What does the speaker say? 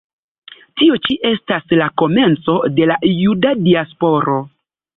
Tio ĉi estas la komenco de la Juda diasporo.